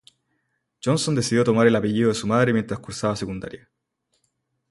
Johnson decidió tomar el apellido de su madre mientras cursaba secundaria.